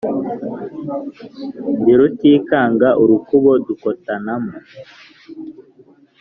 Ndi Rutikanga urukubo ndukotanamo